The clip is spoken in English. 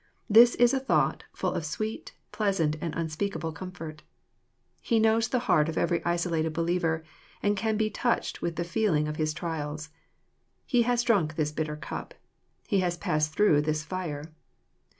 This is a thought "full of sweet, pleasant, and unspeakable comfort." He knows the heart of every isolated believer, and can be touched with the feeling of his trials. He has drunk this bitter cup. He has passed through this fire.